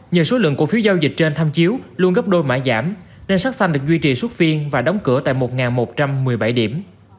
nhờ số lượng cổ phiếu giao dịch trên tham chiếu luôn gấp đôi mã giảm nên sắc xanh được duy trì suốt phiên và đóng cửa tại một một trăm một mươi bảy điểm